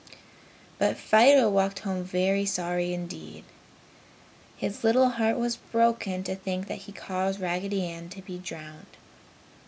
But Fido walked home very sorry indeed. His little heart was broken to think that he had caused Raggedy Ann to be drowned.